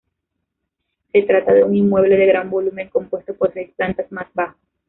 Se trata de un inmueble de gran volumen, compuesto por seis plantas más bajo.